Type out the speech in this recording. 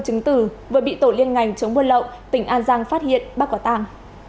chứng tử vừa bị tổ liên ngành chống buôn lậu tỉnh an giang phát hiện